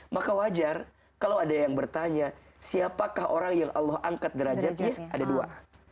maka wajar kalau ada yang bertanya siapakah orang yang allah angkat derajatnya ada dua